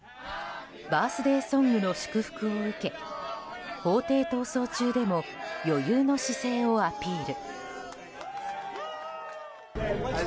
バースデーソングの祝福を受け法廷闘争中でも余裕の姿勢をアピール。